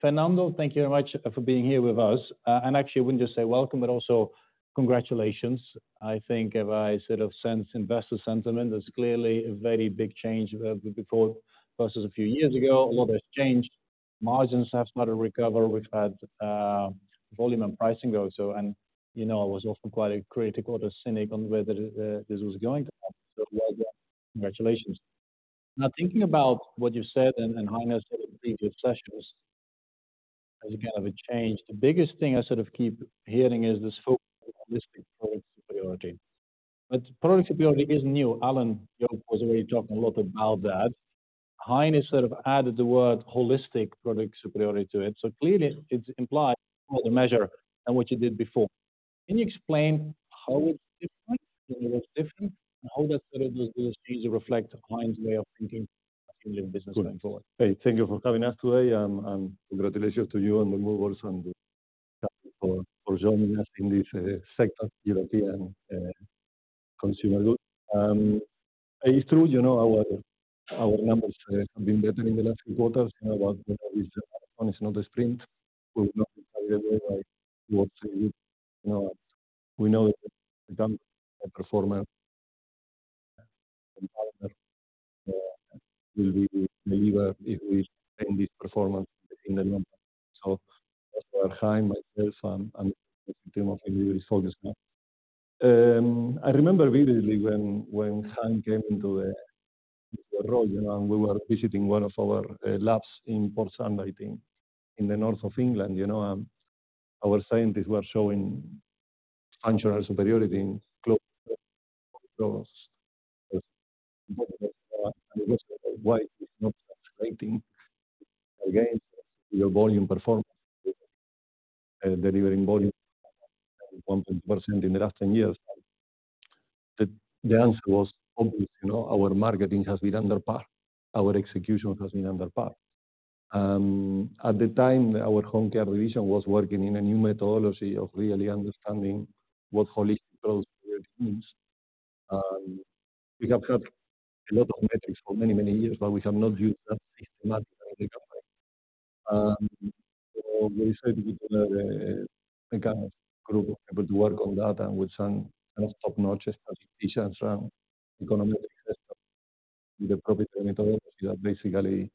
Fernando, thank you very much for being here with us. And actually, I wouldn't just say welcome, but also congratulations. I think if I sort of sense investor sentiment, there's clearly a very big change before versus a few years ago. A lot has changed. Margins have started to recover. We've had volume and pricing go. So, and you know, I was also quite a critical or cynic on whether this was going to happen. So well done. Congratulations. Now, thinking about what you've said, and Hein said in previous sessions, as a kind of a change, the biggest thing I sort of keep hearing is this whole product superiority. But product superiority isn't new. Alan Jope was already talking a lot about that. Hein sort of added the word holistic product superiority to it. So clearly, it's implied more the measure than what you did before. Can you explain how it's different, what's different, and how that sort of does things reflect Hein's way of thinking, changing business going forward? Hey, thank you for having us today, and congratulations to you on the movers and thank you for joining us in this sector, European consumer group. It's true, you know, our numbers have been better in the last few quarters, you know, but it's not a sprint. We know, you know, we know the performance will be delivered if we enhance this performance in the long run. So that's where Hein, myself, and the team is focused now. I remember vividly when Hein came into the role, you know, and we were visiting one of our labs in Port Sunlight, I think, in the North of England, you know, and our scientists were showing functional superiority why it's not translating against your volume performance, delivering volume 1% in the last 10 years. The answer was obvious, you know, our marketing has been under par. Our execution has been under par. At the time, our Home Care division was working in a new methodology of really understanding what holistic growth really means. We have had a lot of metrics for many, many years, but we have not used that systematically. So we started to kind of group able to work on that, and with some kind of top-notch statisticians and econometricians, a proprietary methodology that basically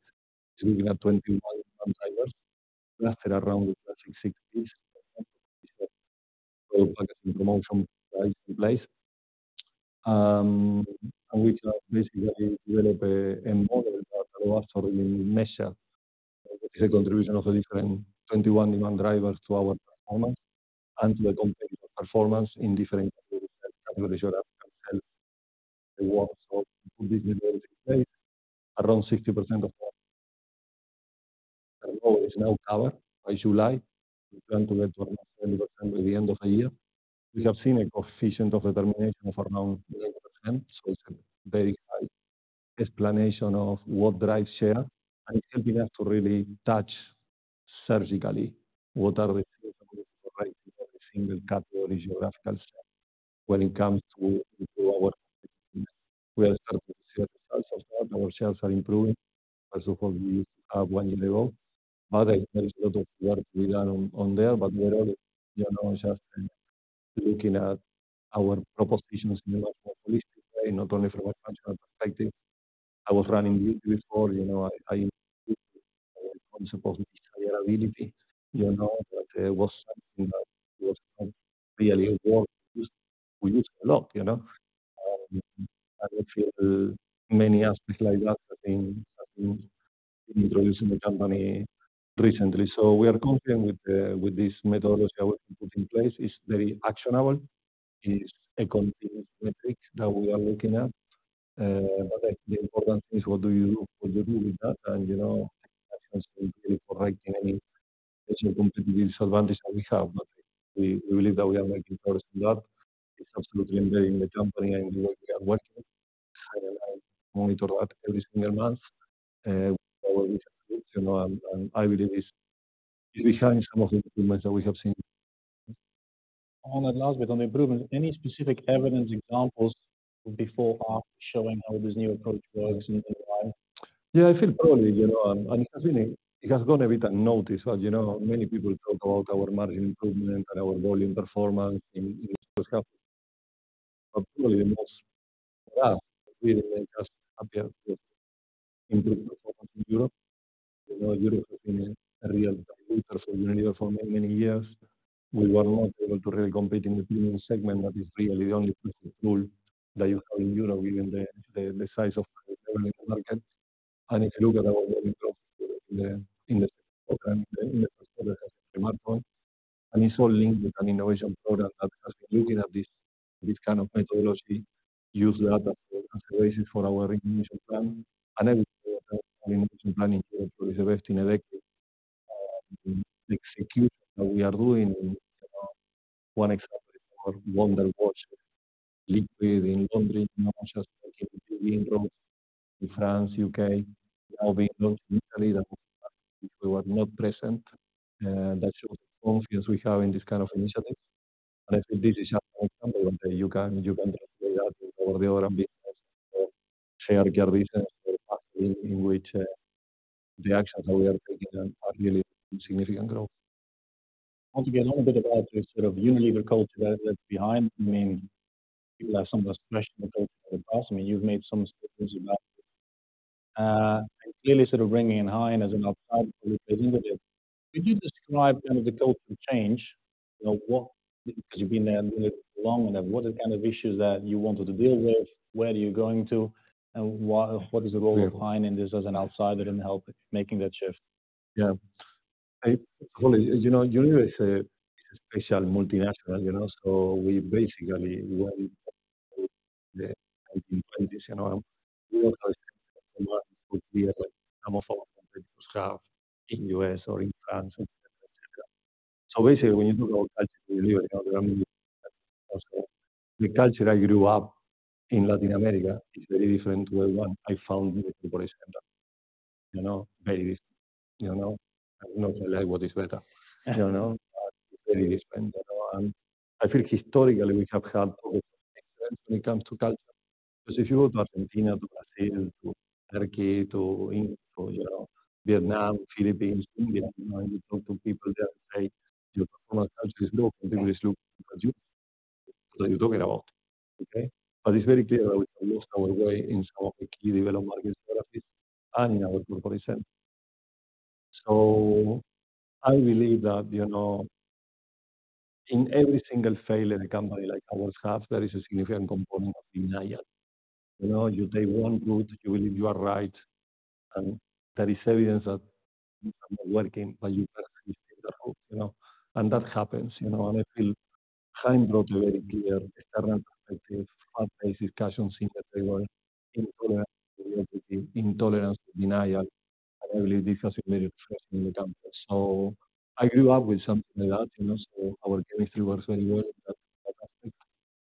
looking at 21 drivers around the 6 Ps promotion in place. And we can basically develop a model after we measure the contribution of the different 21 demand drivers to our performance and to the company performance in different geographies. The world, so around 60% of all is now covered by July. We plan to get to almost 70% by the end of the year. We have seen a coefficient of determination of around 90%, so it's a very high explanation of what drives share, and it helps me to really tackle surgically what are the single category, geographical set when it comes to our... Our sales are improving. Of course, we are one year old. But there is a lot of work to be done on there, but we are, you know, just looking at our propositions in a holistic way, not only from a functional perspective. I was running before, you know, sustainability, you know, but it was really hard. We use a lot, you know. I feel many aspects like that have been introduced in the company recently. So we are confident with this methodology we put in place. It's very actionable. It's a continuous metric that we are looking at. But the important thing is what do you do, what do you do with that? And, you know, correcting any competitive disadvantage that we have, but we believe that we are making progress in that. It's absolutely embedded in the company and the way we are working. I monitor that every single month. You know, and I believe it's behind some of the improvements that we have seen. On that last bit, on the improvement, any specific evidence, examples before, after, showing how this new approach works in your mind? Yeah, I think probably, you know, it has gone a bit unnoticed, but, you know, many people talk about our margin improvement and our volume performance in this first half. But probably the most really just appreciable improvement in Europe. You know, Europe has been a real challenge for many, many years. We were not able to really compete in the premium segment, that is really the only pool that you have in Europe, given the size of market. And if you look at our share in the, and it's all linked with an innovation program that has been looking at this kind of methodology, use that as a basis for our innovation plan. And innovation planning is investing heavily. Execution that we are doing, one example, Wonder Wash, liquid in laundry, in France, U.K., Italy, that we were not present, that's confidence we have in this kind of initiative. And I think this is just one example, you can, you can-... for clear reasons in which, the actions that we are taking are really significant growth. Want to get a little bit about the sort of Unilever culture that's behind. I mean, you have some of the fresh culture in the past. I mean, you've made some statements about it. Clearly sort of bringing in Hein as an outside representative. Could you describe kind of the cultural change? You know, what—'cause you've been there long enough, what are the kind of issues that you wanted to deal with? Where are you going to, and what, what is the role of Hein in this as an outsider in helping making that shift? Yeah. Well, you know, Unilever is a special multinational, you know, so we basically, when the nineteen twenties, you know, we were, like, some of our competitors have in U.S. or in France, et cetera. So basically, when you look at culture, you know, the culture I grew up in Latin America is very different to the one I found in the corporation, you know, very, you know? I'm not sure what is better, you know, very different, you know, and I feel historically we have had to when it comes to culture, because if you go to Argentina, to Brazil, to Turkey, to Indonesia, you know, Vietnam, Philippines, India, you know, and you talk to people there and say, "Your performance culture is low, continuous low," what are you talking about? Okay. But it's very clear that we have lost our way in some of the key developed markets, geographies, and in our corporate center. I believe that, you know, in every single failure in a company like ourselves, there is a significant component of denial. You know, you take one route, you believe you are right, and there is evidence that it's not working, but you, you know. That happens, you know, and I feel Hein brought a very clear external perspective, hard conversations at the table, intolerance to denial, and I believe this has been very present in the company. I grew up with something like that, you know, so our chemistry works very well.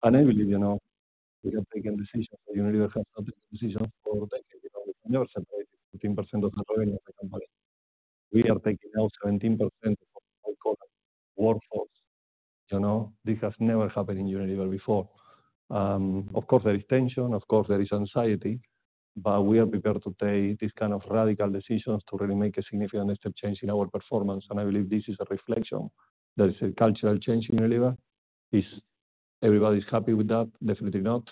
I believe, you know, we have taken decisions. Unilever has taken decisions for taking, you know, separate 15% of the revenue of the company. We are taking now 17% of, I call it, workforce, you know? This has never happened in Unilever before. Of course, there is tension, of course, there is anxiety, but we are prepared to take these kind of radical decisions to really make a significant step change in our performance, and I believe this is a reflection, that is a cultural change in Unilever. Is everybody's happy with that? Definitely not.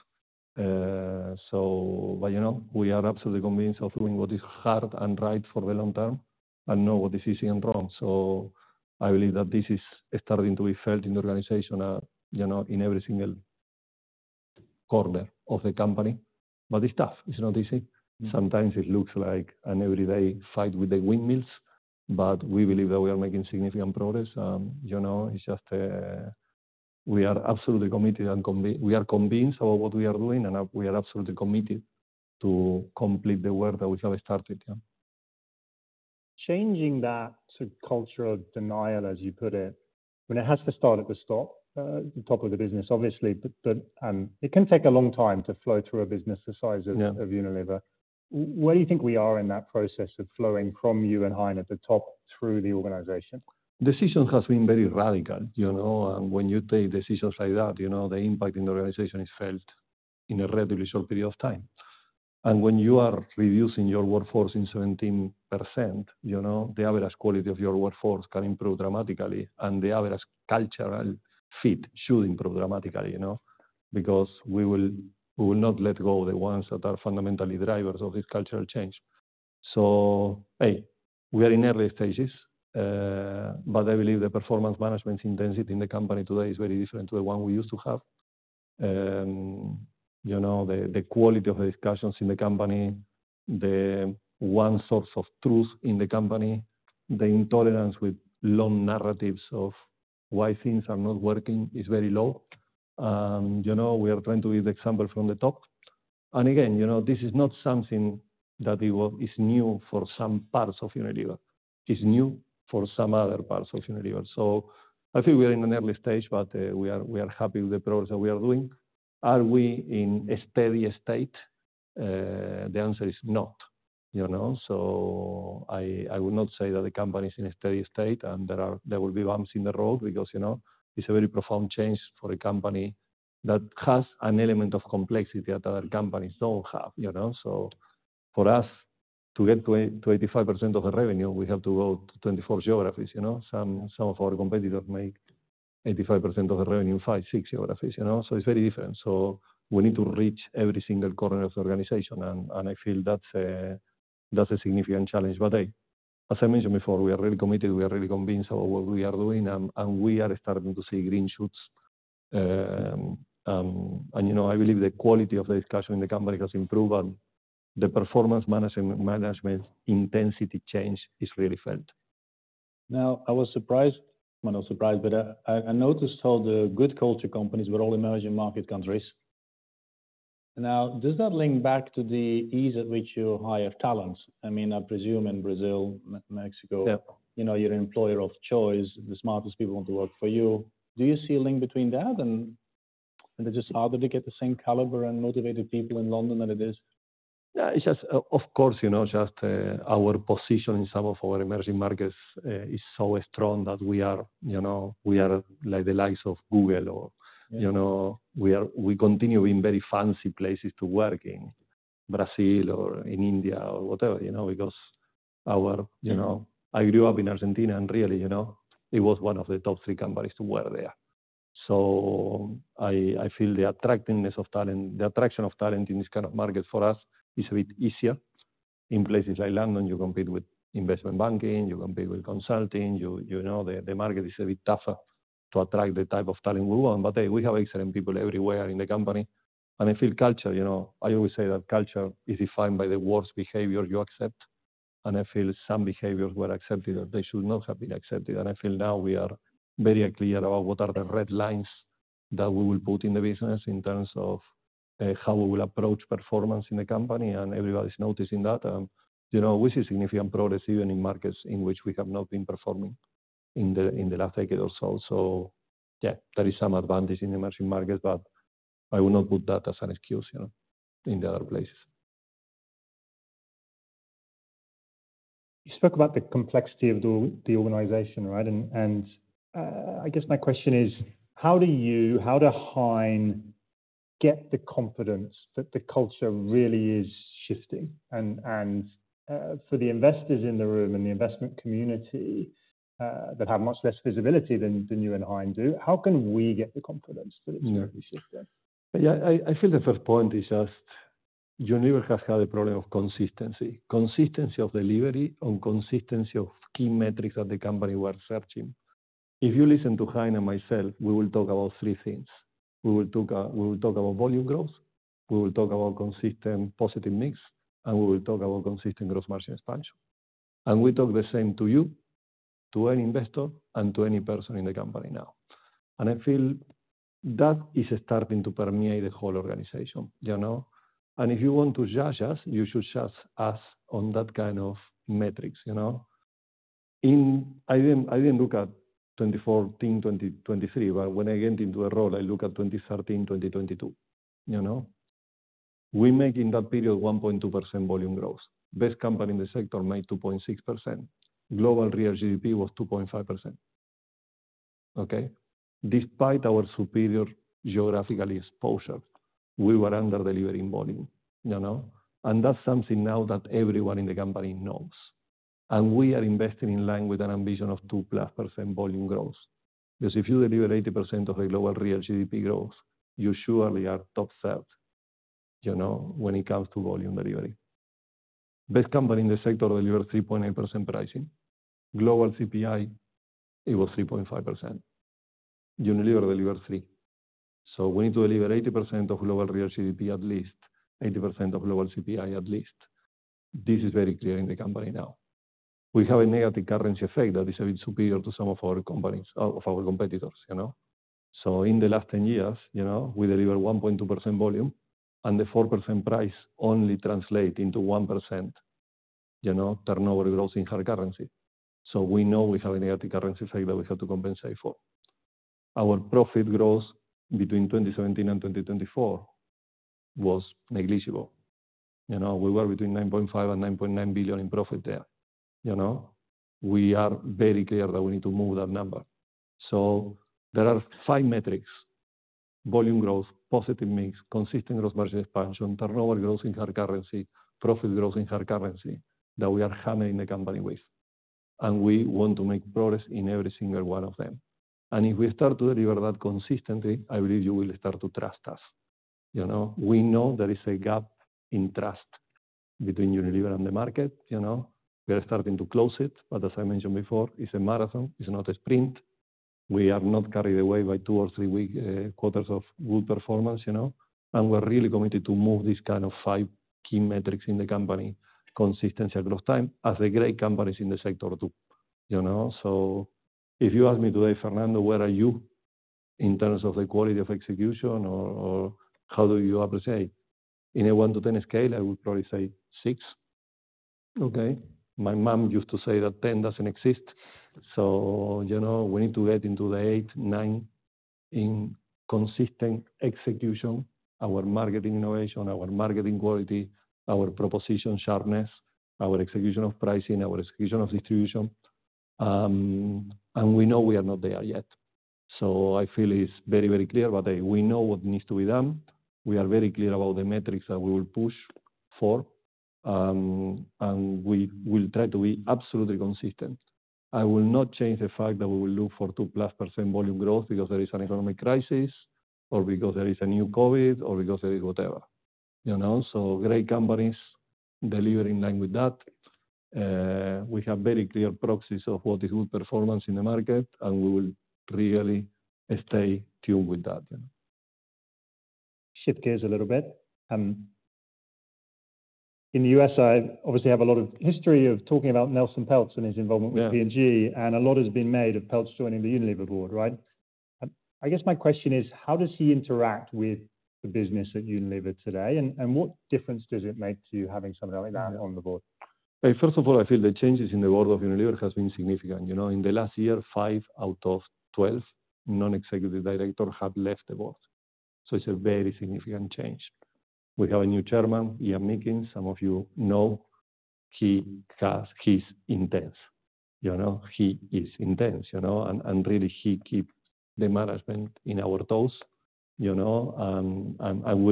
So, but, you know, we are absolutely convinced of doing what is hard and right for the long term and know what is easy and wrong. So I believe that this is starting to be felt in the organization, you know, in every single corner of the company. But it's tough. It's not easy. Sometimes it looks like an everyday fight with the windmills, but we believe that we are making significant progress. You know, it's just, we are absolutely committed. We are convinced of what we are doing, and we are absolutely committed to complete the work that we have started, yeah. Changing that to cultural denial, as you put it, but it has to start at the start, top of the business, obviously, but, it can take a long time to flow through a business the size of- Yeah... of Unilever. Where do you think we are in that process of flowing from you and Hein at the top through the organization? Decision has been very radical, you know, and when you take decisions like that, you know, the impact in the organization is felt in a relatively short period of time, and when you are reducing your workforce by 17%, you know, the average quality of your workforce can improve dramatically, and the average cultural fit should improve dramatically, you know, because we will not let go of the ones that are fundamentally drivers of this cultural change, so hey, we are in early stages, but I believe the performance management intensity in the company today is very different to the one we used to have. You know, the quality of the discussions in the company, the one source of truth in the company, the intolerance with long narratives of why things are not working is very low. You know, we are trying to lead by example from the top. And again, you know, this is not something that it was, is new for some parts of Unilever. It's new for some other parts of Unilever. So I think we are in an early stage, but we are happy with the progress that we are doing. Are we in a steady state? The answer is not, you know, so I would not say that the company is in a steady state and there will be bumps in the road because, you know, it's a very profound change for a company that has an element of complexity that other companies don't have, you know? So for us to get to 85% of the revenue, we have to go to 24 geographies, you know? Some of our competitors make 85% of the revenue, five, six geographies, you know, so it's very different. So we need to reach every single corner of the organization, and I feel that's a significant challenge. But, hey, as I mentioned before, we are really committed, we are really convinced of what we are doing, and we are starting to see green shoots. And, you know, I believe the quality of the discussion in the company has improved, and the performance management intensity change is really felt. Now, I was surprised, well, not surprised, but I noticed all the good culture companies were all emerging market countries. Now, does that link back to the ease at which you hire talents? I mean, I presume in Brazil, Mexico- Yeah You know, you're an employer of choice, the smartest people want to work for you. Do you see a link between that, and it's just harder to get the same caliber and motivated people in London than it is? Yeah, it's just, of course, you know, just, our position in some of our emerging markets is so strong that we are, you know, we are like the likes of Google or, you know, we continue in very fancy places to work in, Brazil or in India or whatever, you know, because our, you know, I grew up in Argentina, and really, you know, it was one of the top three companies to work there. So I feel the attractiveness of talent, the attraction of talent in this kind of market for us is a bit easier. In places like London, you compete with investment banking, you compete with consulting, you know, the market is a bit tougher to attract the type of talent we want. But, hey, we have excellent people everywhere in the company. And I feel culture, you know, I always say that culture is defined by the worst behavior you accept, and I feel some behaviors were accepted that they should not have been accepted. And I feel now we are very clear about what are the red lines that we will put in the business in terms of, how we will approach performance in the company, and everybody's noticing that. You know, we see significant progress even in markets in which we have not been performing in the last decade or so. So yeah, there is some advantage in emerging markets, but I would not put that as an excuse, you know, in the other places. You spoke about the complexity of the organization, right? And I guess my question is: How do you and Hein get the confidence that the culture really is shifting? And for the investors in the room and the investment community that have much less visibility than you and Hein do, how can we get the confidence that it's really shifting? Yeah, I feel the first point is just Unilever has had a problem of consistency, consistency of delivery and consistency of key metrics that the company were searching. If you listen to Hein and myself, we will talk about three things. We will talk about volume growth, we will talk about consistent positive mix, and we will talk about consistent growth margin expansion, and we talk the same to you, to any investor, and to any person in the company now, and I feel that is starting to permeate the whole organization, you know? If you want to judge us, you should judge us on that kind of metrics, you know. I didn't look at 2014, 2023, but when I get into a role, I look at 2013, 2022, you know. We made in that period 1.2% volume growth. Best company in the sector made 2.6%. Global real GDP was 2.5%, okay? Despite our superior geographical exposure, we were under-delivering volume, you know, and that's something now that everyone in the company knows, and we are investing in line with an ambition of 2+% volume growth. Because if you deliver 80% of the global real GDP growth, you surely are top third, you know, when it comes to volume delivery. Best company in the sector delivered 3.8% pricing. Global CPI, it was 3.5%. Unilever delivered 3%. We need to deliver 80% of global real GDP at least, 80% of global CPI, at least. This is very clear in the company now. We have a negative currency effect that is a bit superior to some of our companies... of our competitors, you know? So in the last 10 years, you know, we delivered 1.2% volume, and the 4% price only translate into 1%, you know, turnover growth in hard currency. So we know we have a negative currency effect that we have to compensate for. Our profit growth between 2017 and 2024 was negligible. You know, we were between 9.5 billion and 9.9 billion in profit there, you know? We are very clear that we need to move that number. So there are five metrics: volume growth, positive mix, consistent gross margin expansion, turnover growth in hard currency, profit growth in hard currency, that we are hammered in the company with, and we want to make progress in every single one of them. And if we start to deliver that consistently, I believe you will start to trust us. You know, we know there is a gap in trust between Unilever and the market, you know? We are starting to close it, but as I mentioned before, it's a marathon, it's not a sprint. We are not carried away by two or three quarters of good performance, you know, and we're really committed to move this kind of five key metrics in the company, consistency across time, as the great companies in the sector do, you know? So if you ask me today, "Fernando, where are you in terms of the quality of execution or how do you appreciate?" In a one-to-ten scale, I would probably say six. Okay? My mom used to say that ten doesn't exist, so, you know, we need to get into the eight, nine in consistent execution, our market innovation, our marketing quality, our proposition sharpness, our execution of pricing, our execution of distribution. And we know we are not there yet. So I feel it's very, very clear, but we know what needs to be done. We are very clear about the metrics that we will push for, and we will try to be absolutely consistent. I will not change the fact that we will look for 2+% volume growth because there is an economic crisis, or because there is a new COVID, or because there is whatever, you know. So great companies deliver in line with that. We have very clear proxies of what is good performance in the market, and we will really stay tuned with that. Shift gears a little bit. In the U.S., I obviously have a lot of history of talking about Nelson Peltz and his involvement with- Yeah... P&G, and a lot has been made of Peltz joining the Unilever board, right? I guess my question is: How does he interact with the business at Unilever today, and, and what difference does it make to you having somebody like that on the board? First of all, I feel the changes in the board of Unilever has been significant. You know, in the last year, five out of 12 non-executive directors have left the board, so it's a very significant change. We have a new chairman, Ian Meakins. Some of you know he has. He's intense. You know, he is intense, you know, and we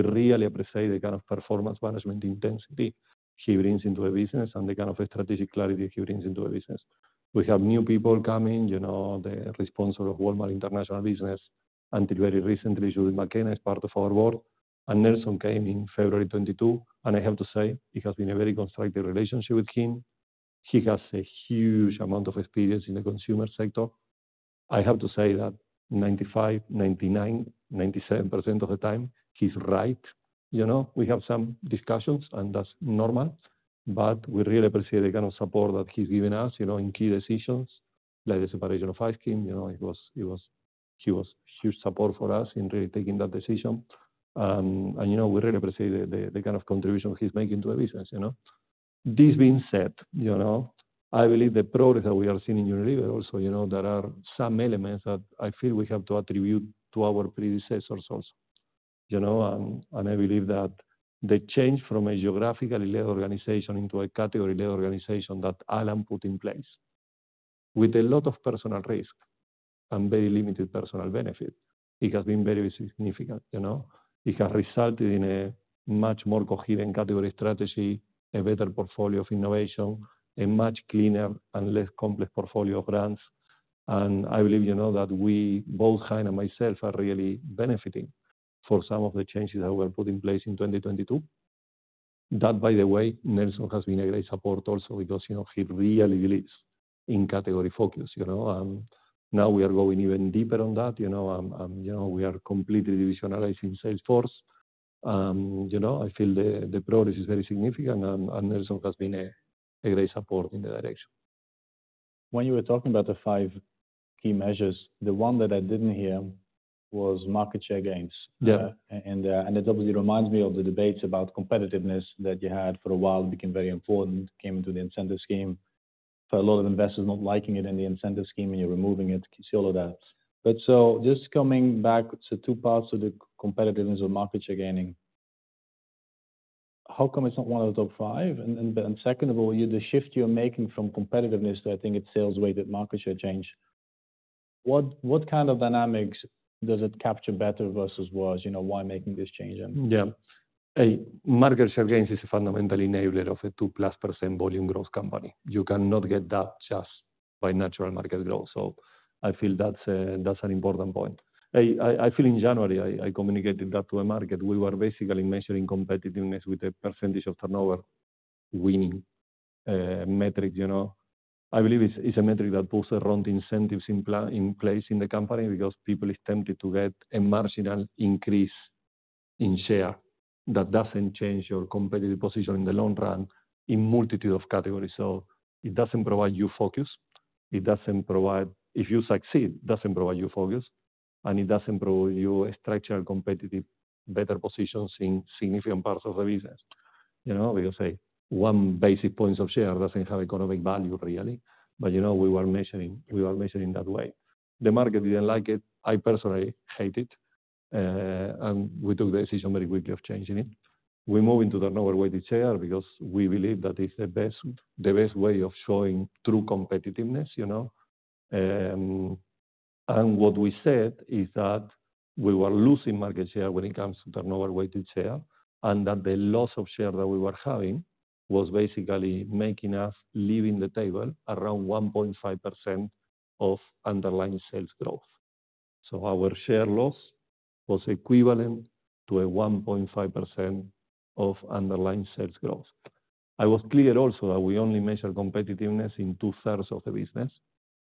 really appreciate the kind of performance management intensity he brings into the business and the kind of strategic clarity he brings into the business. We have new people coming, you know, the person responsible for the Walmart International business until very recently, Judith McKenna, is part of our board, and Nelson came in February 2022, and I have to say, it has been a very constructive relationship with him. He has a huge amount of experience in the consumer sector. I have to say that 95%, 99%, 97% of the time, he's right. You know, we have some discussions, and that's normal, but we really appreciate the kind of support that he's given us, you know, in key decisions, like the separation of Ice Cream. You know, it was. He was huge support for us in really taking that decision. And, you know, we really appreciate the kind of contribution he's making to our business, you know? This being said, you know, I believe the progress that we are seeing in Unilever also, you know, there are some elements that I feel we have to attribute to our predecessors also, you know? And I believe that the change from a geographically led organization into a category led organization that Alan put in place with a lot of personal risk and very limited personal benefit, it has been very significant, you know. It has resulted in a much more coherent category strategy, a better portfolio of innovation, a much cleaner and less complex portfolio of brands. And I believe, you know, that we, both Hein and myself, are really benefiting for some of the changes that were put in place in 2022. That, by the way, Nelson has been a great support also because, you know, he really believes in category focus, you know, and now we are going even deeper on that, you know, and, you know, we are completely divisionalizing sales force. You know, I feel the progress is very significant, and Nelson has been a great support in that direction. When you were talking about the five key measures, the one that I didn't hear was market share gains. Yeah. And it obviously reminds me of the debates about competitiveness that you had for a while, became very important, came into the incentive scheme. For a lot of investors not liking it in the incentive scheme, and you're removing it, see all of that. But so just coming back to two parts of the competitiveness of market share gaining, how come it's not one of the top five? And then, but then second of all, the shift you're making from competitiveness to, I think it's sales weighted market share change, what kind of dynamics does it capture better versus worse? You know, why making this change then? Yeah. Market share gains is a fundamental enabler of a 2+% volume growth company. You cannot get that just by natural market growth. So I feel that's that's an important point. I feel in January, I communicated that to a market. We were basically measuring competitiveness with a percentage of turnover winning metric, you know. I believe it's a metric that puts around incentives in place in the company because people is tempted to get a marginal increase in share. That doesn't change your competitive position in the long run, in multitude of categories. So it doesn't provide you focus, it doesn't provide. If you succeed, doesn't provide you focus, and it doesn't provide you a structural, competitive, better positions in significant parts of the business. You know, we say one basis point of share doesn't have economic value, really. But you know, we were measuring, we were measuring that way. The market didn't like it. I personally hate it, and we took the decision very quickly of changing it. We're moving to the turnover weighted share because we believe that it's the best, the best way of showing true competitiveness, you know? And what we said is that we were losing market share when it comes to turnover weighted share, and that the loss of share that we were having was basically making us leaving the table around 1.5% of underlying sales growth. So our share loss was equivalent to a 1.5% of underlying sales growth. It was clear also that we only measure competitiveness in two-thirds of the business.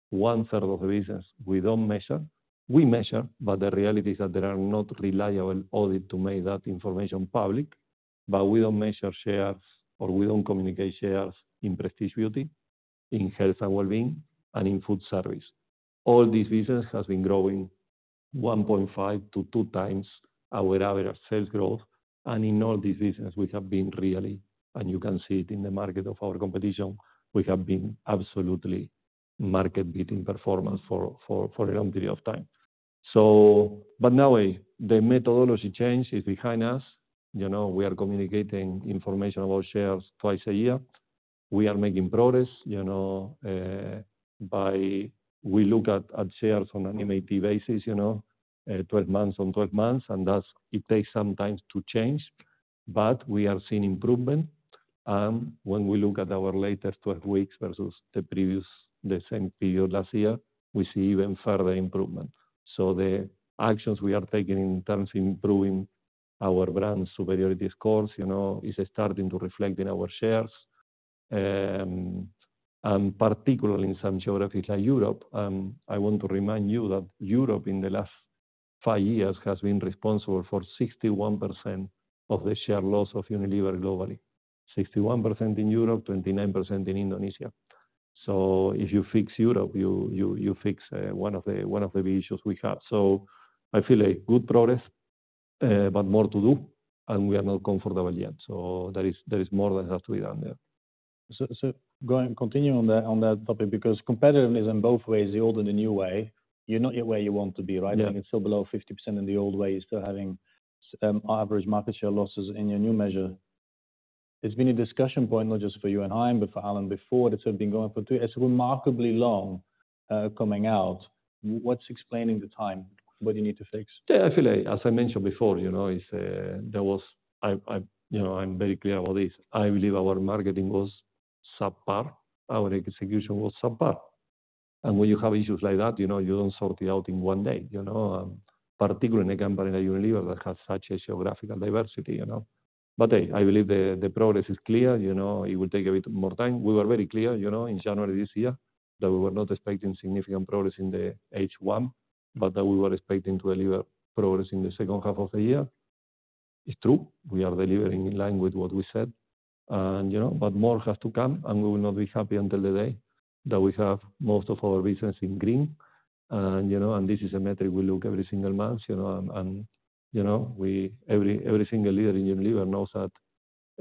One third of the business we don't measure. We measure, but the reality is that there are not reliable audit to make that information public, but we don't measure shares, or we don't communicate shares in Health & Wellbeing, and in Food Service. All these business has been growing 1.5x-2x our average sales growth, and in all these business, we have been really, and you can see it in the market of our competition, we have been absolutely market-beating performance for a long period of time, so but now, we, the methodology change is behind us. You know, we are communicating information about shares twice a year. We are making progress, you know, by... We look at shares on an MATbasis, you know, twelve months on twelve months, and thus it takes some time to change, but we are seeing improvement. And when we look at our latest twelve weeks versus the previous, the same period last year, we see even further improvement. So the actions we are taking in terms of improving our brand superiority scores, you know, is starting to reflect in our shares, and particularly in some geographies like Europe. I want to remind you that Europe, in the last five years, has been responsible for 61% of the share loss of Unilever globally. 61% in Europe, 29% in Indonesia. So if you fix Europe, you fix one of the issues we have. So I feel a good progress, but more to do, and we are not comfortable yet. So there is more that has to be done there. So, going to continue on that topic, because competitiveness in both ways, the old and the new way, you're not yet where you want to be, right? Yeah. I think it's still below 50% in the old way. You're still having, average market share losses in your new measure. It's been a discussion point, not just for you and I, but for Alan before, that's sort of been going for two. It's remarkably long, coming out. What's explaining the time? What do you need to fix? Yeah, I feel like, as I mentioned before, you know, I'm very clear about this. I believe our marketing was subpar, our execution was subpar. And when you have issues like that, you know, you don't sort it out in one day, you know, particularly in a company like Unilever that has such a geographical diversity, you know? But, hey, I believe the progress is clear. You know, it will take a bit more time. We were very clear, you know, in January this year, that we were not expecting significant progress in the H1, but that we were expecting to deliver progress in the second half of the year. It's true, we are delivering in line with what we said. You know, but more has to come, and we will not be happy until the day that we have most of our business in green. You know, this is a metric we look every single month. You know, every single leader in Unilever knows that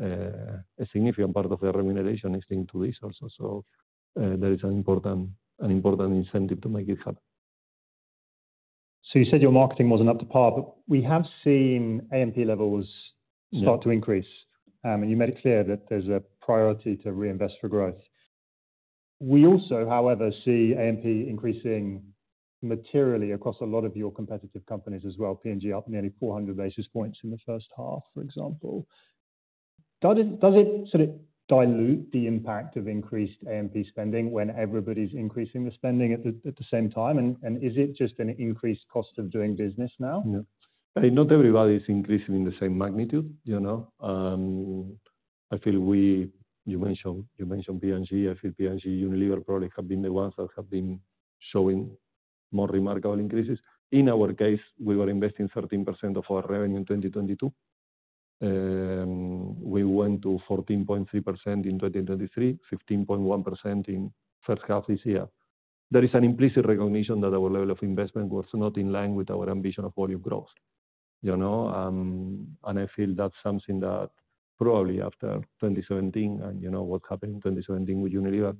a significant part of their remuneration is linked to this also, so there is an important incentive to make it happen. So you said your marketing wasn't up to par, but we have seen A&P levels- Yeah... start to increase. And you made it clear that there's a priority to reinvest for growth. We also, however, see A&P increasing materially across a lot of your competitive companies as well. P&G up nearly four hundred basis points in the first half, for example. Does it sort of dilute the impact of increased A&P spending when everybody's increasing the spending at the same time? And is it just an increased cost of doing business now? Yeah. Not everybody is increasing in the same magnitude, you know? I feel. You mentioned, you mentioned P&G. I feel P&G, Unilever probably have been the ones that have been showing more remarkable increases. In our case, we were investing 13% of our revenue in 2022. We went to 14.3% in 2023, 15.1% in first half this year. There is an implicit recognition that our level of investment was not in line with our ambition of volume growth, you know? And I feel that's something that probably after 2017, and, you know, what happened in 2017 with Unilever,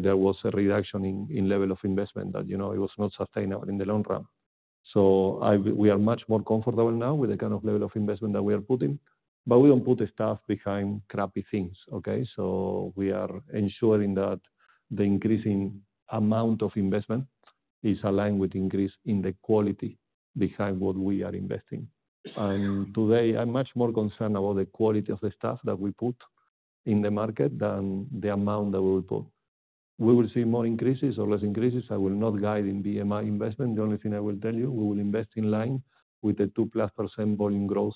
there was a reduction in level of investment that, you know, it was not sustainable in the long run. We are much more comfortable now with the kind of level of investment that we are putting, but we don't put the stuff behind crappy things, okay, so we are ensuring that the increasing amount of investment is aligned with increase in the quality behind what we are investing, and today, I'm much more concerned about the quality of the stuff that we put in the market than the amount that we will put. We will see more increases or less increases. I will not guide in BMI investment. The only thing I will tell you, we will invest in line with the 2+% volume growth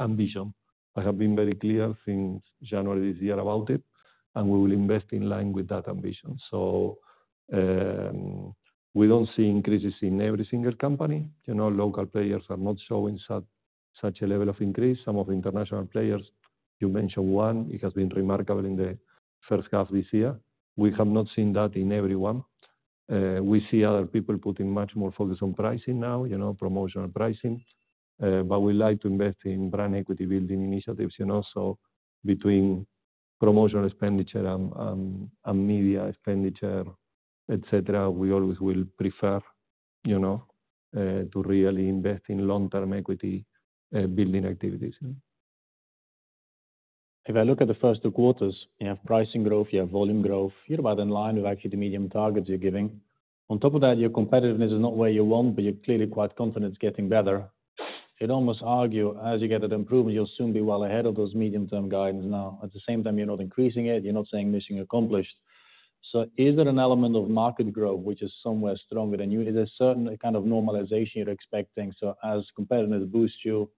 ambition. I have been very clear since January this year about it, and we will invest in line with that ambition, so we don't see increases in every single company. You know, local players are not showing such, such a level of increase. Some of the international players, you mentioned one, it has been remarkable in the first half this year. We have not seen that in everyone. We see other people putting much more focus on pricing now, you know, promotional pricing. But we like to invest in brand equity building initiatives, you know, so between promotional expenditure and media expenditure, et cetera, we always will prefer, you know, to really invest in long-term equity building activities. If I look at the first two quarters, you have pricing growth, you have volume growth. You're about in line with actually the medium-term targets you're giving. On top of that, your competitiveness is not where you want, but you're clearly quite confident it's getting better. You'd almost argue, as you get it improving, you'll soon be well ahead of those medium-term guidance now. At the same time, you're not increasing it, you're not saying mission accomplished. So is there an element of market growth which is somewhere stronger than you? Is there certain kind of normalization you're expecting, so as competitiveness boosts you,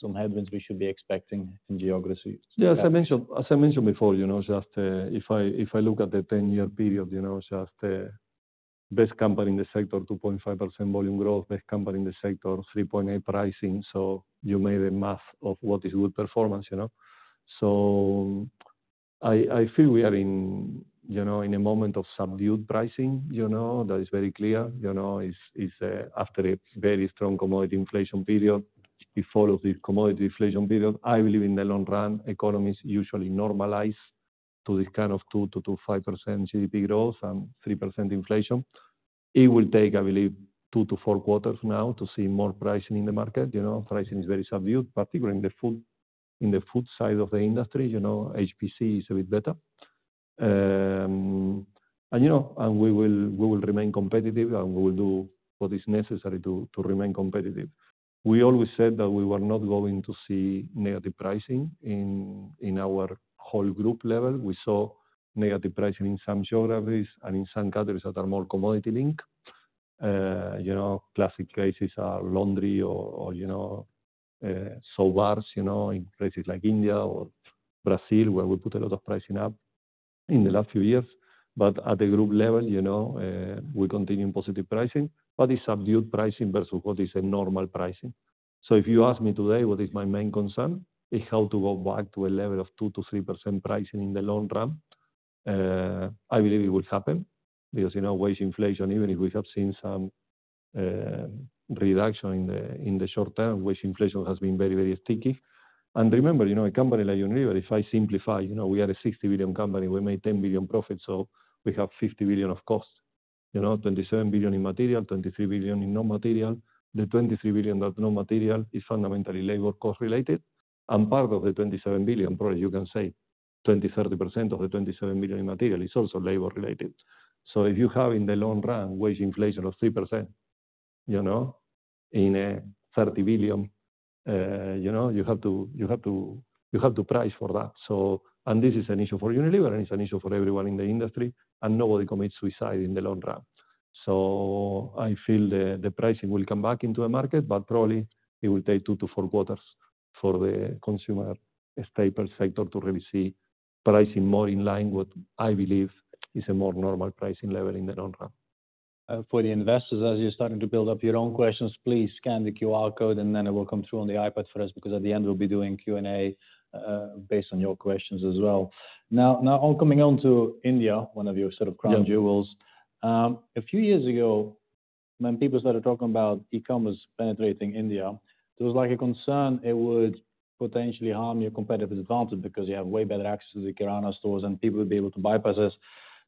some headwinds we should be expecting in geographies? Yeah, as I mentioned, as I mentioned before, you know, just, if I, if I look at the ten-year period, you know, just, best company in the sector, 2.5% volume growth, best company in the sector, 3.8% pricing, so you made a math of what is good performance, you know? So I, I feel we are in, you know, in a moment of subdued pricing, you know, that is very clear. You know, it's, it's, after a very strong commodity inflation period, it follows the commodity inflation period. I believe in the long run, economies usually normalize to this kind of 2%-2.5% GDP growth and 3% inflation. It will take, I believe, two to four quarters now to see more pricing in the market, you know. Pricing is very subdued, particularly in the food side of the industry, you know. HPC is a bit better. And, you know, we will remain competitive, and we will do what is necessary to remain competitive. We always said that we were not going to see negative pricing in our whole group level. We saw negative pricing in some geographies and in some categories that are more commodity link. You know, classic cases are laundry or soap bars, you know, in places like India or Brazil, where we put a lot of pricing up in the last few years. But at the group level, you know, we continue positive pricing, but it's subdued pricing versus what is a normal pricing. So if you ask me today what is my main concern, it's how to go back to a level of 2%-3% pricing in the long run. I believe it will happen because, you know, wage inflation, even if we have seen some reduction in the short term, wage inflation has been very, very sticky. Remember, you know, a company like Unilever, if I simplify, you know, we are a 60 billion company. We made 10 billion profit, so we have 50 billion of costs. You know, 27 billion in material, 23 billion in non-material. The 23 billion in non-material is fundamentally labor cost related, and part of the 27 billion, probably you can say 20%-30% of the 27 billion in material is also labor related. So if you have, in the long run, wage inflation of 3%, you know, in 30 billion, you know, you have to price for that. So and this is an issue for Unilever, and it's an issue for everyone in the industry, and nobody commits suicide in the long run. So I feel the pricing will come back into the market, but probably it will take two to four quarters for the consumer staples sector to really see pricing more in line with what I believe is a more normal pricing level in the long run. For the investors, as you're starting to build up your own questions, please scan the QR code, and then it will come through on the iPad for us, because at the end, we'll be doing Q&A, based on your questions as well. Now, coming on to India, one of your sort of crown jewels. Yeah. A few years ago, when people started talking about e-commerce penetrating India, there was like a concern it would potentially harm your competitive advantage because you have way better access to the Kirana stores and people would be able to bypass this.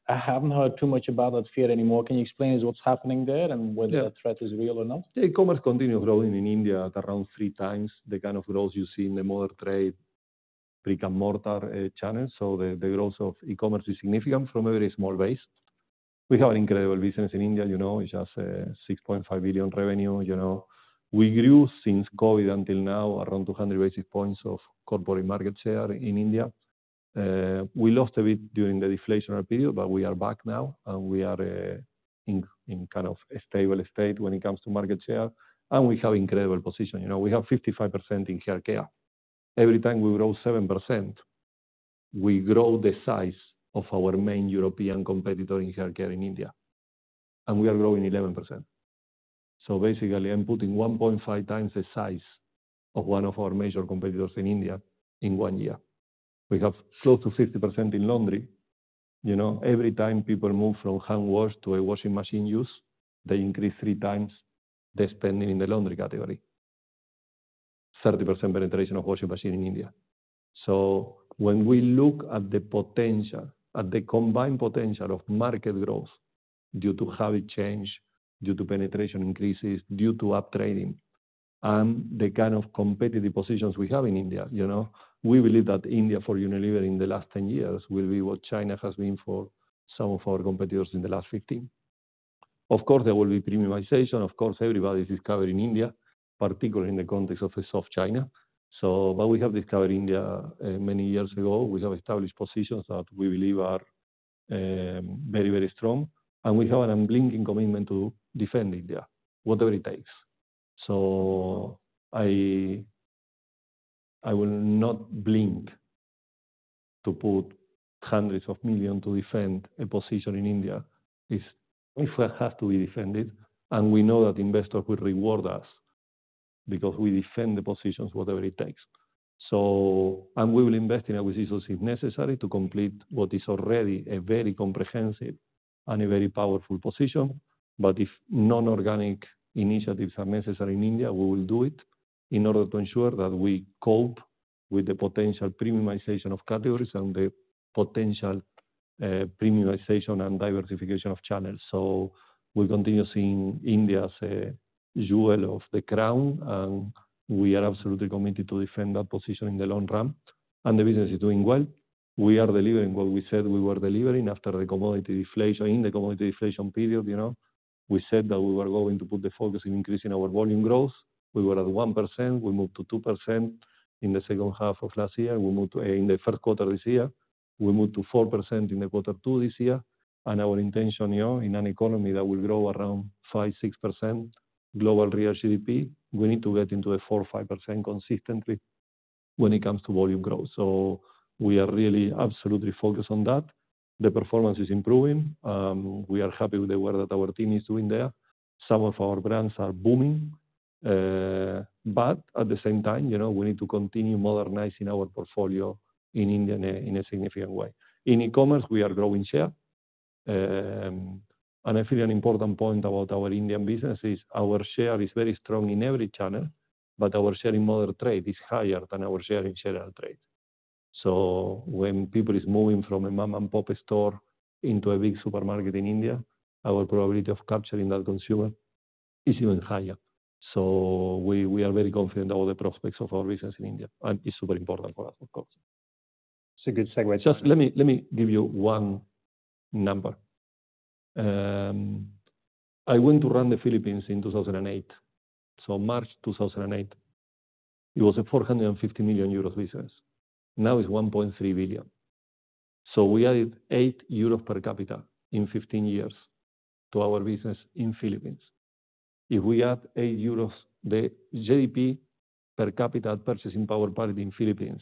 I haven't heard too much about that fear anymore. Can you explain to us what's happening there and- Yeah whether that threat is real or not? The e-commerce continues growing in India at around three times the kind of growth you see in the modern trade, brick-and-mortar, channels. So the growth of e-commerce is significant from a very small base. We have an incredible business in India, you know, it's just 6.5 billion revenue, you know. We grew since COVID until now, around 200 basis points of corporate market share in India. We lost a bit during the deflationary period, but we are back now, and we are in kind of a stable state when it comes to market share, and we have incredible position. You know, we have 55% in Hair Care. Every time we grow 7%, we grow the size of our main European competitor in hair care in India, and we are growing 11%. So basically, I'm putting 1.5x the size of one of our major competitors in India in one year. We have close to 50% in laundry. You know, every time people move from hand wash to a washing machine use, they increase three times the spending in the laundry category. 30% penetration of washing machine in India. So when we look at the potential, at the combined potential of market growth due to habit change, due to penetration increases, due to up-trading, and the kind of competitive positions we have in India, you know, we believe that India, for Unilever in the last 10 years, will be what China has been for some of our competitors in the last 15. Of course, there will be premiumization. Of course, everybody is discovering India, particularly in the context of the soft China. So, but we have discovered India many years ago. We have established positions that we believe are very, very strong, and we have an unblinking commitment to defend India, whatever it takes. So I will not blink to put hundreds of million to defend a position in India, if it has to be defended, and we know that investors will reward us because we defend the positions, whatever it takes. So, and we will invest in our resources, if necessary, to complete what is already a very comprehensive and a very powerful position. But if non-organic initiatives are necessary in India, we will do it in order to ensure that we cope with the potential premiumization of categories and the potential premiumization and diversification of channels. So we continue seeing India as a jewel of the crown, and we are absolutely committed to defend that position in the long run, and the business is doing well. We are delivering what we said we were delivering after the commodity deflation. In the commodity deflation period, you know, we said that we were going to put the focus in increasing our volume growth. We were at 1%, we moved to 2% in the second half of last year. We moved to, in the first quarter this year, we moved to 4% in quarter two this year, and our intention, you know, in an economy that will grow around 5%-6% global real GDP, we need to get into a 4% or 5% consistently when it comes to volume growth. So we are really absolutely focused on that. The performance is improving. We are happy with the work that our team is doing there. Some of our brands are booming, but at the same time, you know, we need to continue modernizing our portfolio in India in a significant way. In e-commerce, we are growing share, and I feel an important point about our Indian business is our share is very strong in every channel, but our share in modern trade is higher than our share in general trade, so when people is moving from a mom-and-pop store into a big supermarket in India, our probability of capturing that consumer is even higher, so we are very confident about the prospects of our business in India, and it's super important for us, of course. It's a good segment. Just let me, let me give you one number. I went to run the Philippines in 2008. So March 2008, it was a 450 million euros business. Now, it's 1.3 billion. So we added 8 euros per capita in fifteen years to our business in Philippines. If we add 8 euros, the GDP per capita purchasing power parity in Philippines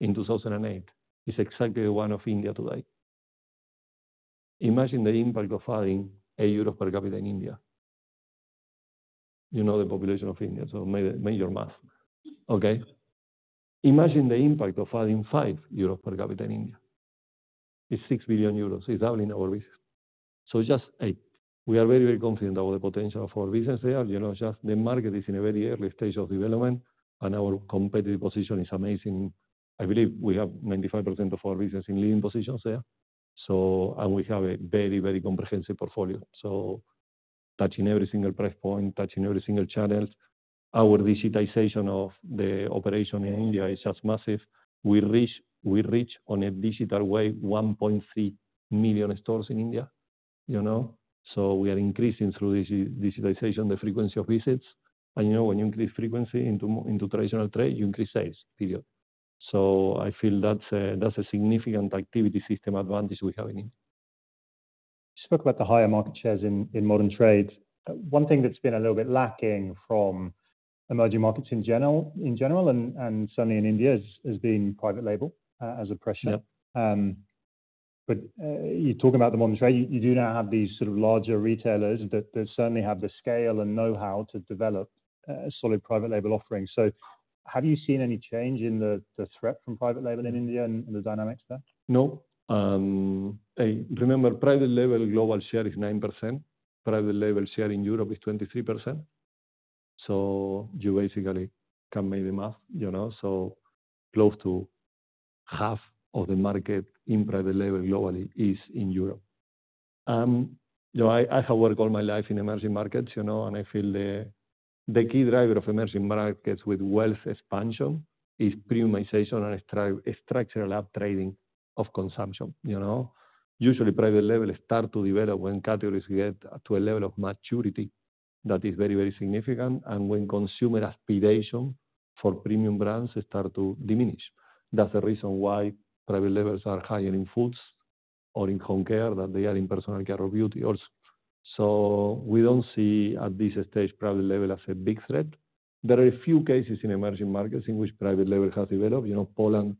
in 2008 is exactly that of India today. Imagine the impact of adding 1 euros per capita in India. You know the population of India, so make your math, okay? Imagine the impact of adding 5 euros per capita in India. It's 6 billion euros. It's doubling our business. So just eight. We are very, very confident about the potential of our business there. You know, just the market is in a very early stage of development, and our competitive position is amazing. I believe we have 95% of our business in leading positions there. So, and we have a very, very comprehensive portfolio. So touching every single price point, touching every single channels. Our digitization of the operation in India is just massive. We reach on a digital way 1.3 million stores in India, you know, so we are increasing through digitization the frequency of visits. And you know, when you increase frequency into traditional trade, you increase sales, period. So I feel that's a significant activity system advantage we have in India. You spoke about the higher market shares in modern trade. One thing that's been a little bit lacking from emerging markets in general, and certainly in India, is private label as a pressure. Yeah. But you talk about the modern trade. You do now have these sort of larger retailers that certainly have the scale and know-how to develop solid private label offerings. So have you seen any change in the threat from private label in India and the dynamics there? No. Remember, private label global share is 9%. Private label share in Europe is 23%. So you basically can make the math, you know, so close to half of the market in private label globally is in Europe. You know, I have worked all my life in emerging markets, you know, and I feel the key driver of emerging markets with wealth expansion is premiumization and structural up trading of consumption, you know? Usually, private label start to develop when categories get to a level of maturity that is very, very significant, and when consumer aspiration for premium brands start to diminish. That's the reason why private labels are higher in foods or in Home Care, than they are in personal care or beauty also. So we don't see at this stage private label as a big threat. There are a few cases in emerging markets in which private label has developed. You know, Poland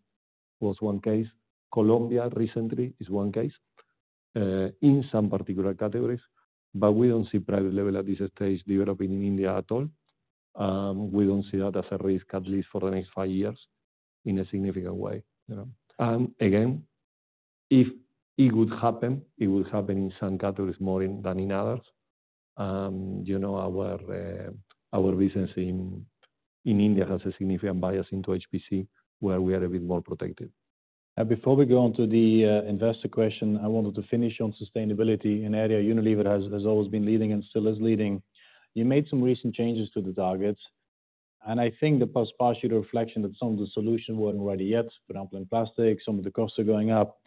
was one case, Colombia recently is one case, in some particular categories, but we don't see private label at this stage developing in India at all. We don't see that as a risk, at least for the next five years, in a significant way, you know. And again, if it would happen, it would happen in some categories more in than in others. You know, our business in India has a significant bias into HPC, where we are a bit more protected. And before we go on to the investor question, I wanted to finish on sustainability, an area Unilever has always been leading and still is leading. You made some recent changes to the targets, and I think the post-mortem reflection that some of the solutions weren't ready yet, for example, in plastic, some of the costs are going up.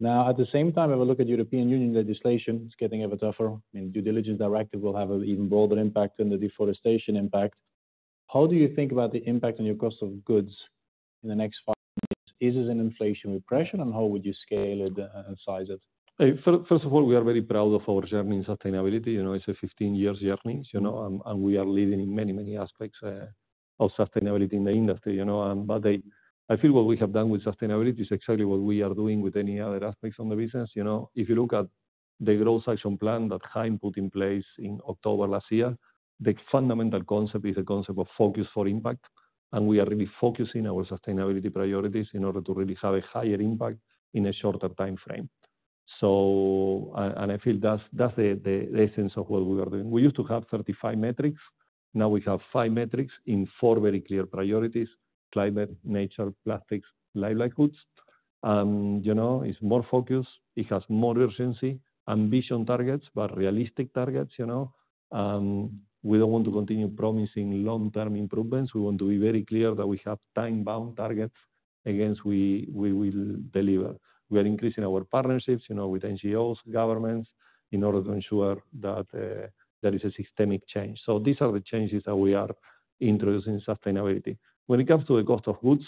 Now, at the same time, have a look at European Union legislation. It's getting ever tougher, and due diligence directive will have an even broader impact than the deforestation impact. How do you think about the impact on your cost of goods in the next five years? Is this an inflation pressure, and how would you scale it and size it? First, first of all, we are very proud of our journey in sustainability. You know, it's a fifteen years journey, you know, and we are leading in many, many aspects of sustainability in the industry, you know, and but I feel what we have done with sustainability is exactly what we are doing with any other aspects on the business, you know. If you look at the Growth Action Plan that Hein put in place in October last year, the fundamental concept is the concept of focus for impact, and we are really focusing our sustainability priorities in order to really have a higher impact in a shorter timeframe. So, and I feel that's the essence of what we are doing. We used to have 35 metrics. Now we have five metrics in four very clear priorities: climate, nature, plastics, livelihoods. You know, it's more focused. It has more urgency. Ambitious targets, but realistic targets, you know. We don't want to continue promising long-term improvements. We want to be very clear that we have time-bound targets against which we will deliver. We are increasing our partnerships, you know, with NGOs, governments, in order to ensure that there is a systemic change. So these are the changes that we are introducing in sustainability. When it comes to the cost of goods,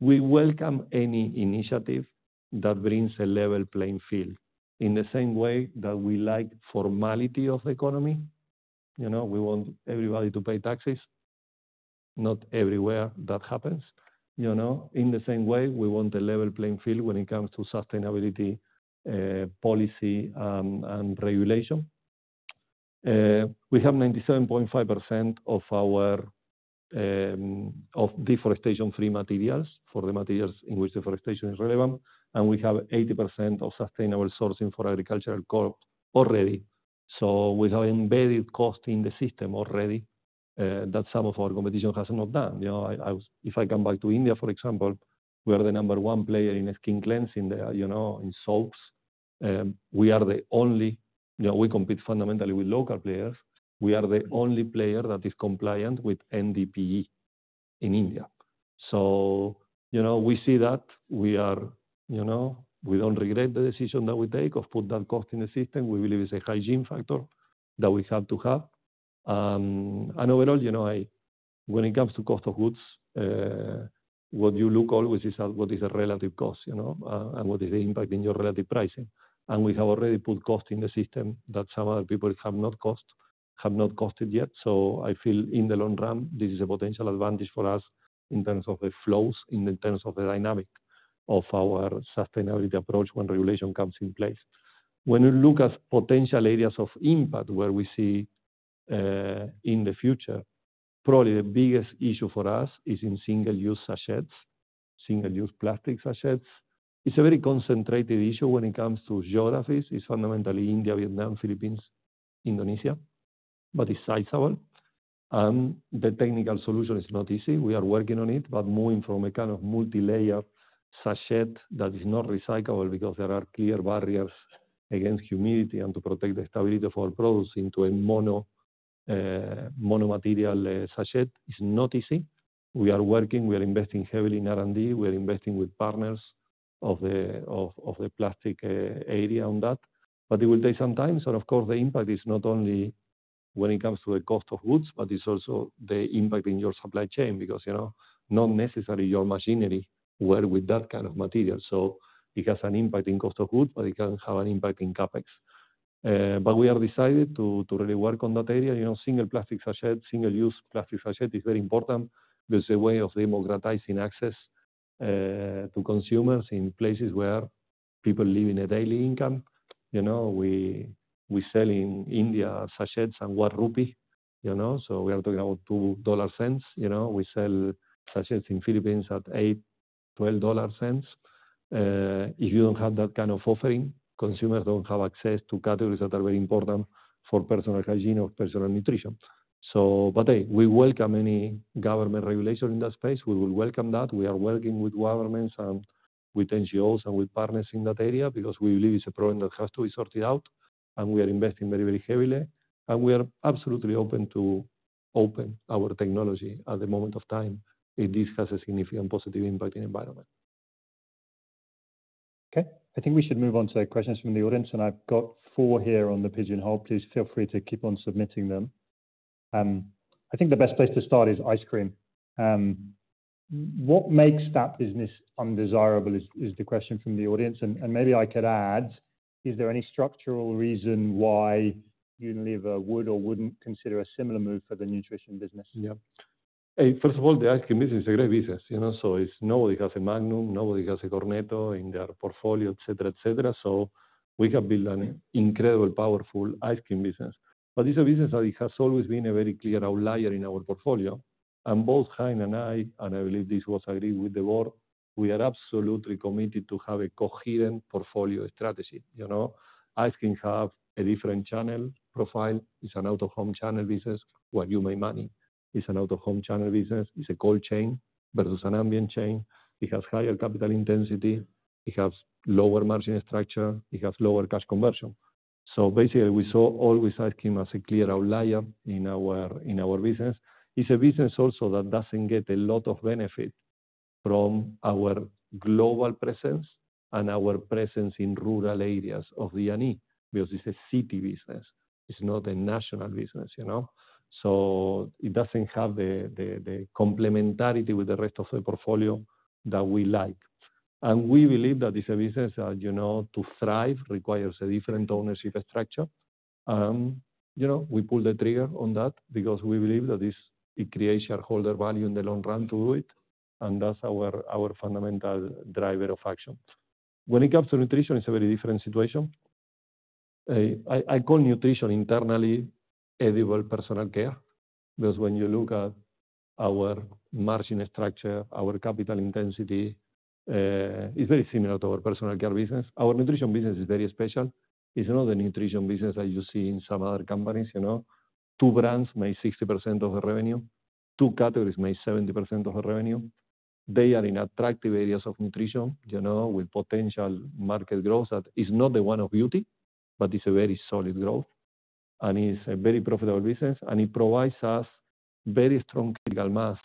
we welcome any initiative that brings a level playing field. In the same way that we like formality of the economy, you know, we want everybody to pay taxes. Not everywhere that happens, you know. In the same way, we want a level playing field when it comes to sustainability policy and regulation. We have 97.5% of our, of deforestation-free materials, for the materials in which deforestation is relevant, and we have 80% of sustainable sourcing for agricultural crops already. So we have embedded cost in the system already, that some of our competition has not done. You know, If I come back to India, for example, we are the number one player in skin cleansing there, you know, in soaps. We are the only- You know, we compete fundamentally with local players. We are the only player that is compliant with NDPE in India. So, you know, we see that. We are, you know, we don't regret the decision that we take of put that cost in the system. We believe it's a hygiene factor that we have to have. And overall, you know, when it comes to cost of goods, what you look always is at what is a relative cost, you know, and what is the impact in your relative pricing. And we have already put cost in the system that some other people have not costed yet. So I feel in the long run, this is a potential advantage for us in terms of the flows, in terms of the dynamic of our sustainability approach when regulation comes in place. When we look at potential areas of impact, where we see, in the future, probably the biggest issue for us is in single-use sachets, single-use plastic sachets. It's a very concentrated issue when it comes to geographies. It's fundamentally India, Vietnam, Philippines, Indonesia, but it's sizable.... The technical solution is not easy. We are working on it, but moving from a kind of multilayer sachet that is not recyclable, because there are clear barriers against humidity and to protect the stability of our products into a mono-material sachet, is not easy. We are working, we are investing heavily in R&D. We are investing with partners of the plastic area on that, but it will take some time. So of course, the impact is not only when it comes to the cost of goods, but it's also the impact in your supply chain, because, you know, not necessarily your machinery work with that kind of material. So it has an impact in cost of goods, but it can have an impact in CapEx. But we have decided to really work on that area. You know, single plastic sachet, single-use plastic sachet is very important. There's a way of democratizing access to consumers in places where people live in a daily income. You know, we, we sell in India sachets at 1 rupee, you know, so we are talking about $0.02. You know, we sell sachets in Philippines at $0.08-$0.12. If you don't have that kind of offering, consumers don't have access to categories that are very important for personal hygiene or personal nutrition. So but, hey, we welcome any government regulation in that space. We will welcome that. We are working with governments and with NGOs and with partners in that area, because we believe it's a problem that has to be sorted out, and we are investing very, very heavily, and we are absolutely open to open our technology at the moment of time. It does have a significant positive impact in environment. Okay, I think we should move on to questions from the audience, and I've got four here on the Pigeonhole. Please feel free to keep on submitting them. I think the best place to start is Ice Cream. What makes that business undesirable? Is the question from the audience. And maybe I could add, is there any structural reason why Unilever would or wouldn't consider a similar move for the nutrition business? Yeah. First of all, the ice cream business is a great business, you know, so it's... Nobody has a Magnum, nobody has a Cornetto in their portfolio, et cetera, et cetera. So we have built an incredible, powerful ice cream business. But it's a business that it has always been a very clear outlier in our portfolio, and both Hein and I, and I believe this was agreed with the board, we are absolutely committed to have a coherent portfolio strategy, you know. Ice cream have a different channel profile. It's an out-of-home channel business, where you make money. It's an out-of-home channel business. It's a cold chain versus an ambient chain. It has higher capital intensity, it has lower margin structure, it has lower cash conversion. So basically, we saw always ice cream as a clear outlier in our business. It's a business also that doesn't get a lot of benefit from our global presence and our presence in rural areas of the APAC, because it's a city business, it's not a national business, you know? So it doesn't have the complementarity with the rest of the portfolio that we like. And we believe that it's a business that, you know, to thrive, requires a different ownership structure. You know, we pull the trigger on that because we believe that this, it creates shareholder value in the long run to do it, and that's our fundamental driver of action. When it comes to nutrition, it's a very different situation. I call nutrition internally edible personal care, because when you look at our margin structure, our capital intensity, it's very similar to our personal care business. Our nutrition business is very special. It's not the nutrition business that you see in some other companies, you know. Two brands make 60% of the revenue. Two categories make 70% of the revenue. They are in attractive areas of nutrition, you know, with potential market growth. That is not the one of beauty, but it's a very solid growth, and it's a very profitable business, and it provides us very strong critical mass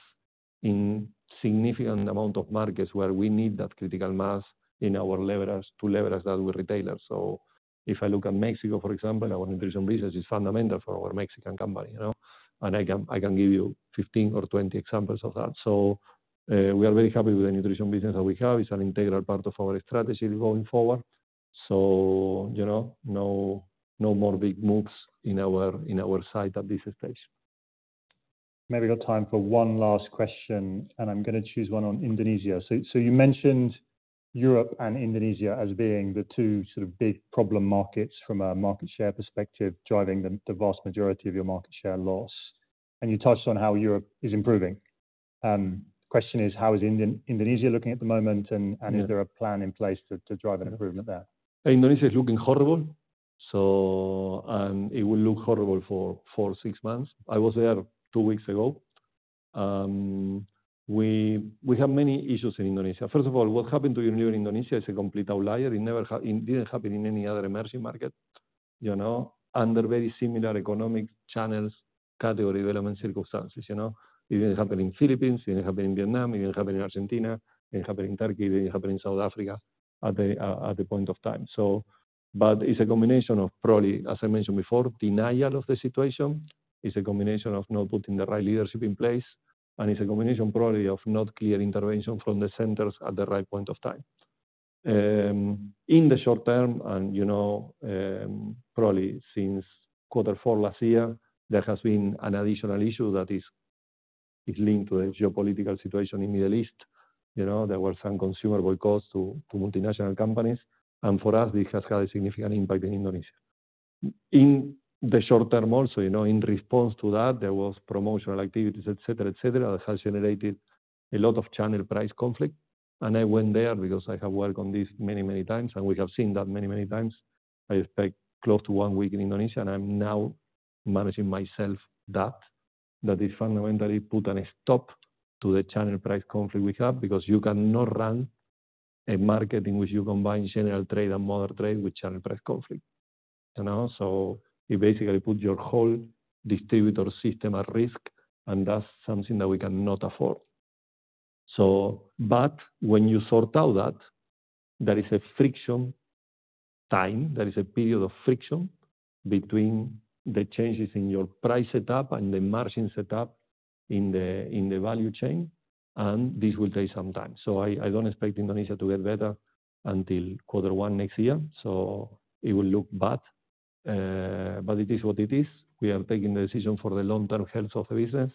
in significant amount of markets, where we need that critical mass in our leverage to leverage that with retailers. So if I look at Mexico, for example, our nutrition business is fundamental for our Mexican company, you know, and I can, I can give you 15 or 20 examples of that. So, we are very happy with the nutrition business that we have. It's an integral part of our strategy going forward. You know, no, no more big moves in our, in our sights at this stage. Maybe got time for one last question, and I'm gonna choose one on Indonesia. So, so you mentioned Europe and Indonesia as being the two sort of big problem markets from a market share perspective, driving the vast majority of your market share loss, and you touched on how Europe is improving. Question is, how is Indonesia looking at the moment, and is there a plan in place to drive an improvement there? Indonesia is looking horrible, so. And it will look horrible for six months. I was there two weeks ago. We have many issues in Indonesia. First of all, what happened to Unilever Indonesia is a complete outlier. It didn't happen in any other emerging market, you know, under very similar economic channels, category development circumstances, you know. It didn't happen in Philippines, it didn't happen in Vietnam, it didn't happen in Argentina, it didn't happen in Turkey, it didn't happen in South Africa at the point of time. So, but it's a combination of probably, as I mentioned before, denial of the situation. It's a combination of not putting the right leadership in place, and it's a combination probably of not clear intervention from the centers at the right point of time. In the short term and, you know, probably since quarter four last year, there has been an additional issue that is linked to a geopolitical situation in Middle East. You know, there were some consumer boycotts to multinational companies, and for us, this has had a significant impact in Indonesia. In the short term also, you know, in response to that, there was promotional activities, et cetera, et cetera, that has generated a lot of channel price conflict. And I went there because I have worked on this many, many times, and we have seen that many, many times. I spent close to one week in Indonesia, and I'm now managing myself that is fundamentally put a stop to the channel price conflict we have, because you cannot run a market in which you combine general trade and modern trade with channel price conflict. You know, so you basically put your whole distributor system at risk, and that's something that we cannot afford. So but when you sort out that, there is a friction time, there is a period of friction between the changes in your price setup and the margin setup in the value chain, and this will take some time. So I don't expect Indonesia to get better until quarter one next year, so it will look bad, but it is what it is. We are taking the decision for the long-term health of the business.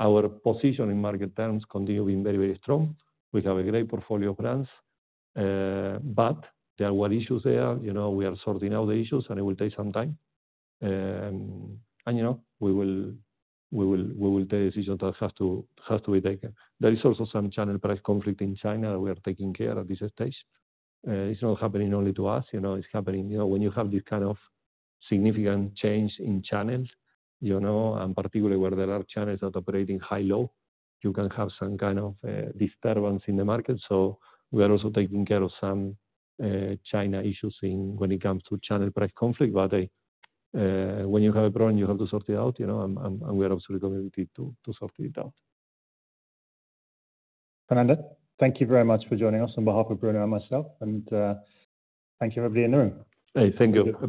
Our position in market terms continue being very, very strong. We have a great portfolio of brands, but there were issues there. You know, we are sorting out the issues, and it will take some time. And you know, we will take decisions that have to be taken. There is also some channel price conflict in China we are taking care at this stage. It's not happening only to us, you know, it's happening. You know, when you have this kind of significant change in channels, you know, and particularly where there are channels that operate in High-Low, you can have some kind of disturbance in the market. So we are also taking care of some China issues in when it comes to channel price conflict. But when you have a problem, you have to sort it out, you know, and we are absolutely committed to sort it out. Fernando, thank you very much for joining us on behalf of Bruno and myself, and thank you everybody in the room. Hey, thank you.